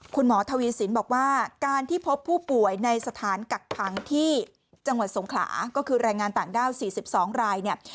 คุณหมอทวีสินบอกว่าการที่พบผู้ป่วยในสถานกักขังที่จังหวัดสงขลาก็คือแรงงานต่างด้าว๔๒รายเนี่ย